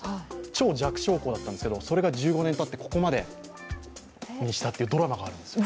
超弱小校だったんですけれども、それが１５年たってここまでしたにというドラマがあるんですよ。